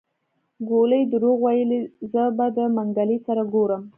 ګولي دروغ ويلي زه به د منګلي سره ګورم.